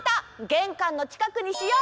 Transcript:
げんかんのちかくにしよう！